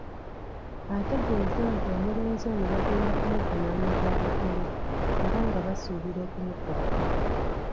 Ategeeza nti omulenzi ono bagenda kumuvunaana gwa butemu era nga basuubira okumukwata.